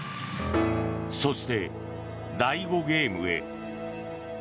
そして、第５ゲームへ。